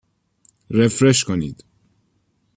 رفرش کنید